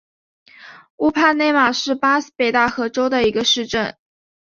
乌帕内马是巴西北大河州的一个市镇。